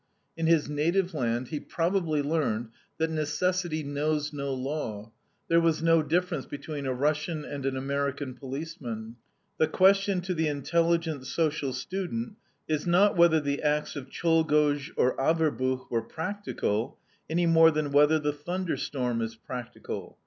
In his native land he probably learned that necessity knows no law there was no difference between a Russian and an American policeman. The question to the intelligent social student is not whether the acts of Czolgosz or Averbuch were practical, any more than whether the thunderstorm is practical.